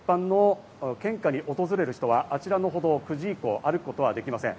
一般の献花に訪れる人はあちらの歩道、９時以降は歩くことはできません。